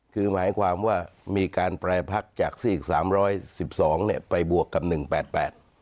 คือหมายความว่ามีการแปรพักจากสิก๓๑๒ไปบวกกับ๑๘๘